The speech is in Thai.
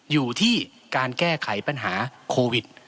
อยู่ที่การแก้ไขปัญหาโควิด